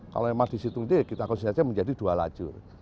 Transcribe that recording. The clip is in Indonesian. kalau emang di situ d kita konsistensi aja menjadi dua lajur